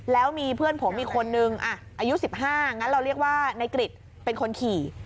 แล้วมีเพื่อนผมอีกคนนึงอายุ๑๕งั้นเราเรียกว่านายกริจเป็นคนขี่